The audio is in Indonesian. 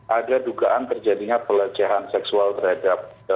ada dugaan terjadinya pelecehan seksual terhadap